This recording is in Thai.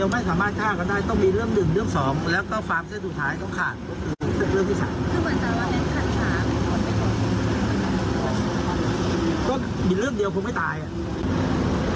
มีเรื่องเดียวผมไม่ตายอ่ะ